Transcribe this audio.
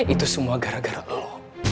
itu semua gara gara allah